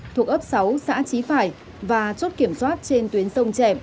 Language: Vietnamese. thuộc ấp sáu xã chí phải và chốt kiểm soát trên tuyến sông chẹp